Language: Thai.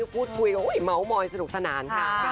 พูดพุยกับเขาเม้าหมอยสนุกสนานค่ะ